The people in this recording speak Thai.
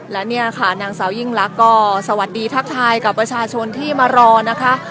และเนี่ยค่ะนางสาวยิ่งลักษณ์ก็สวัสดีทักทายกับประชาชนที่มารอนะคะ